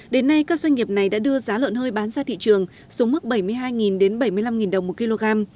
đến nay các doanh nghiệp này đã đưa giá lợn hơi bán ra thị trường xuống mức bảy mươi hai bảy mươi năm đồng một kg